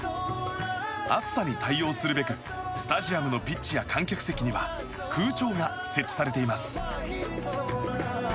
暑さに対応するべくスタジアムのピッチや観客席には空調が設置されています。